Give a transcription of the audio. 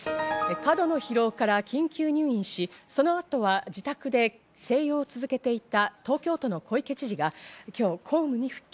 過度の疲労から緊急入院し、その後は自宅で静養を続けていた東京都の小池知事が今日公務に復帰。